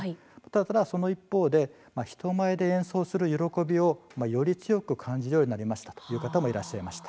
ただその一方で、人前で演奏する喜びをより強く感じるようになりましたという方もいらっしゃいました。